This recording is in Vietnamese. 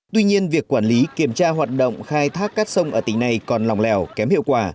tuy nhiên việc quản lý kiểm tra hoạt động khai thác cát sông ở tỉnh này còn lòng lèo kém hiệu quả